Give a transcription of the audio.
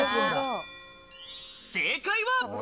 正解は。